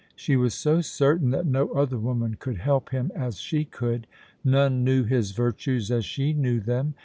She was so certain that no other woman could help him as she could; none knew his virtues as she knew them.